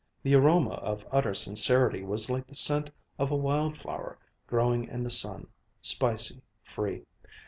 The aroma of utter sincerity was like the scent of a wildflower growing in the sun, spicy, free.